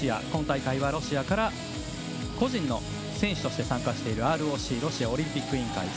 今大会はロシアから個人の選手として参加しているＲＯＣ＝ロシアオリンピック委員会。